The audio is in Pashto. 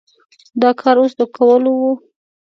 دا کار اوس د کولو و؟